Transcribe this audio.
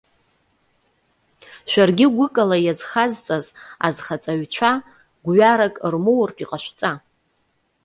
Шәаргьы гәык ала иазхазҵаз, азхаҵаҩцәа гәҩарак рмоуртә иҟашәҵа.